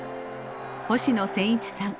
星野仙一さん。